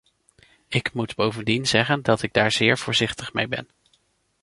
Ik moet bovendien zeggen dat ik daar zeer voorzichtig mee ben.